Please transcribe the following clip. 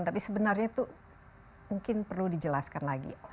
tapi sebenarnya itu mungkin perlu dijelaskan lagi